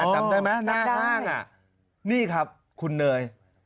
จำได้ไหมหน้าห้างนี่ครับคุณเนย